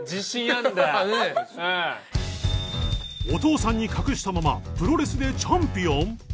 お父さんに隠したままプロレスでチャンピオン？